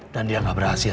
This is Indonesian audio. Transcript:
dan dia enggak berhasil